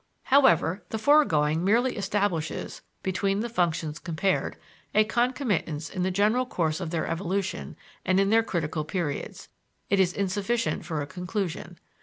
However, the foregoing merely establishes, between the functions compared, a concomitance in the general course of their evolution and in their critical periods; it is insufficient for a conclusion.